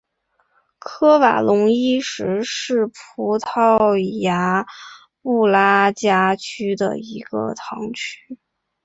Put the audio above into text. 卡瓦隆伊什是葡萄牙布拉加区的一个堂区。